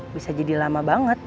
bisa jadi lama banget